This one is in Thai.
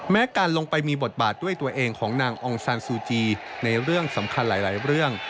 การลงไปมีบทบาทด้วยตัวเองของนางองซานซูจีในเรื่องสำคัญหลายเรื่อง